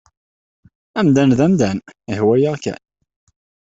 Amdan d amdan, ihwa-yaɣ kan.